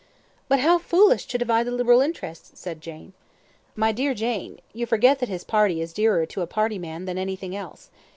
"But how foolish to divide the Liberal interest," said Jane. "My dear Jane, you forget that his party is dearer to a party man than anything else.